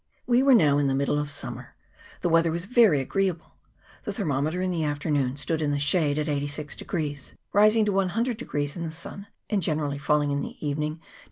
We were now in the middle of summer ; the wea ther was very agreeable; the thermometer in the afternoon stood in the shade at 86, rising to 100 in the sun, and generally falling in the evening to 62.